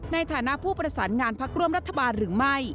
ในฐานะผู้ประสานงานพักร่วมรัฐบาลหรือไม่